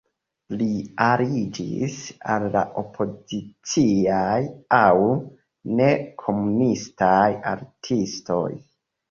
Li aliĝis al la opoziciaj aŭ ne-komunistaj artistoj.